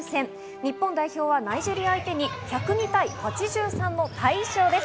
日本代表はナイジェリア相手に１０２対８３の大勝です。